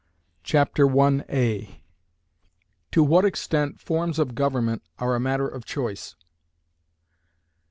Chapter I To What Extent Forms of Government are a Matter of Choice.